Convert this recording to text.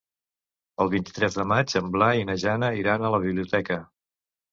El vint-i-tres de maig en Blai i na Jana iran a la biblioteca.